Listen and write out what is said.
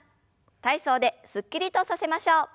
体操ですっきりとさせましょう。